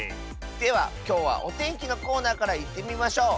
ではきょうはおてんきのコーナーからいってみましょう。